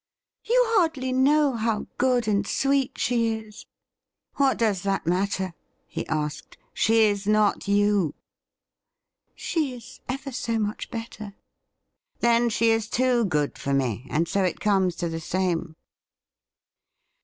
' You hardly know how good and sweet she is.' ' What does that matter ?' he asked. ' She is not you.' * She is ever so much better.' ' Then, she is too good for me, and so it comes to the same.'